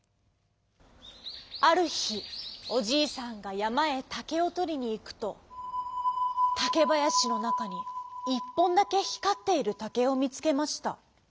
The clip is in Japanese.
あるひおじいさんがやまへたけをとりにいくとたけばやしのなかに１ぽんだけひかっているたけをみつけました。